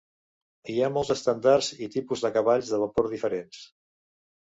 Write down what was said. Hi ha molts estàndards i tipus de cavalls de vapor diferents.